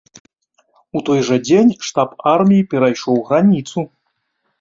У той жа дзень штаб арміі перайшоў граніцу.